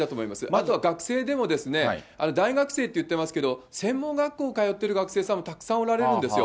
あとは学生でも、大学生といってますけど、専門学校に通ってる学生さんもたくさんおられるんですよ。